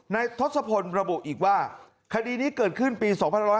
ทศพลระบุอีกว่าคดีนี้เกิดขึ้นปี๒๕๖๐